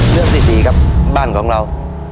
เรื่องที่๔ครับบ้านของเรา